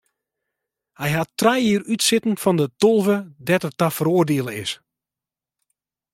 Hy hat trije jier útsitten fan de tolve dêr't er ta feroardiele is.